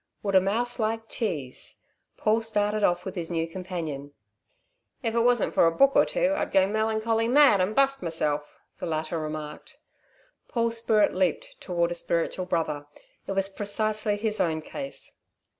Would a mouse like cheese? Paul started off with his new companion. "If it wasn't for a book or two, I'd go melancholy mad and bust myself," the latter remarked. Paul's spirit leaped toward a spiritual brother. It was precisely his own case.